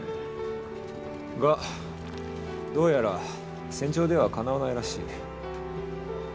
が、どうやら戦場ではかなわないらしい。